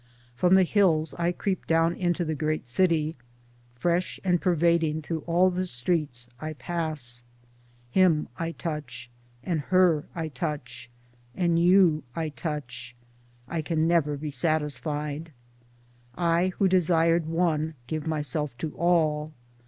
From the hills I creep down into the great city — fresh and pervading through all the streets I pass; Him I touch, and her I touch, and you I touch — I can never be satisfied. I who desired one give myself to all.